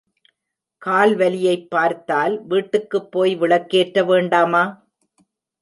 கால் வலியைப் பார்த்தால் வீட்டுக்குப் போய் விளக்கேற்ற வேண்டாமா?